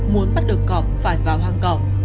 muốn bắt được cọp phải vào hang cọp